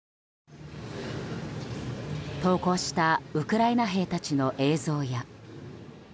投降したウクライナ兵たちの映像や。